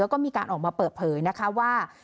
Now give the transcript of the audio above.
แล้วก็มีการออกมาเปิดเผยนะคะว่า